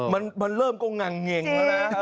มันเริ่มก็งั่งเง่งแล้วนะ